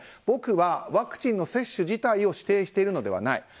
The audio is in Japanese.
僕はワクチンの接種自体を否定しているのではない。